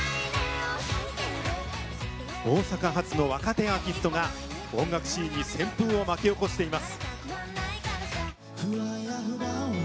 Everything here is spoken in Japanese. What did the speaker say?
大阪発の若手アーティストが音楽シーンに旋風を巻き起こしています。